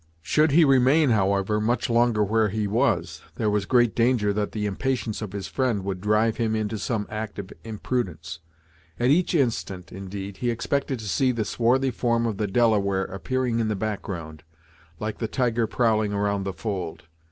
Should he remain, however, much longer where he was, there was great danger that the impatience of his friend would drive him into some act of imprudence. At each instant, indeed, he expected to see the swarthy form of the Delaware appearing in the background, like the tiger prowling around the fold.